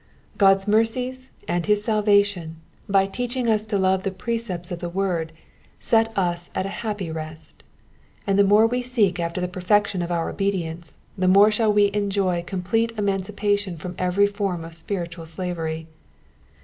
God^s mercies and his salvation, by teaching us to love the precepts of the word, set us at a happy rest ; and the more we seek after the perfection of our obedience the more shall we enjoy complete emancipation from every form of spiritual slavery.